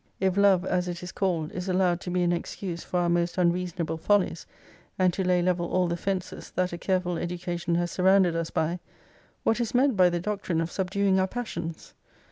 If love, as it is called, is allowed to be an excuse for our most unreasonable follies, and to lay level all the fences that a careful education has surrounded us by, what is meant by the doctrine of subduing our passions?